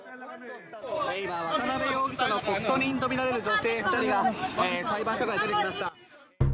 今、渡辺容疑者の告訴人と見られる女性２人が、裁判所から出てきました。